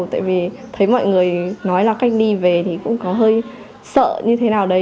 tại vì thấy mọi người nói là cách đi về thì cũng có hơi sợ như thế nào đấy